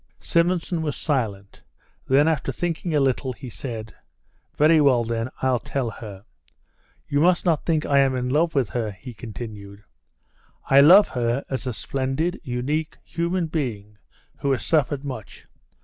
Simonson was silent; then, after thinking a little, he said: "Very well, then, I'll tell her. You must not think I am in love with her," he continued; "I love her as a splendid, unique, human being who has suffered much.